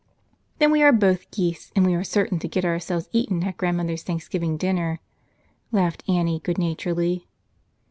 "Then we are both geese and we are certain to get ourselves eaten at grandmother's Thanksgiving din¬ ner," laughed Annie, good naturedly.